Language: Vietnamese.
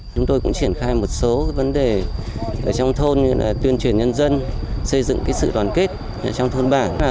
chúng tôi cũng triển khai một số vấn đề ở trong thôn như là tuyên truyền nhân dân xây dựng sự đoàn kết trong thôn bảng